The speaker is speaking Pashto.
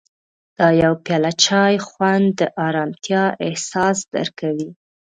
د یو پیاله چای خوند د ارامتیا احساس درکوي.